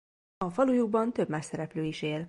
A falujukban több más szereplő is él.